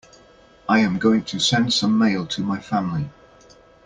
I am going to send some mail to my family.